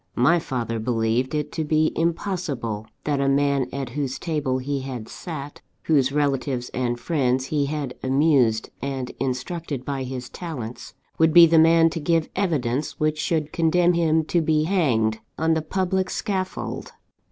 My father believed it to be impossible that a man at whose table he had sat, whose relatives and friends he had amused and instructed by his talents, would be the man to give evidence which should condemn him to be hanged on the public scaffold.